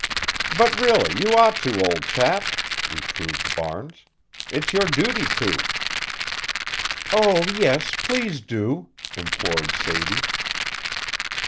"But really you ought to, old chap," reproved Barnes. "It's your duty to." "Oh, yes, please do!" implored Sadie.